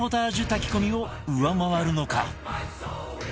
炊き込みを上回るのか？